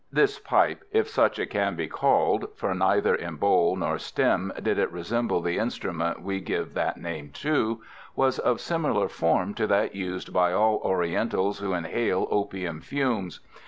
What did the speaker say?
This pipe, if such it can be called (for neither in bowl nor stem did it resemble the instrument we give that name to), was of similar form to that used by all Orientals who inhale opium fumes.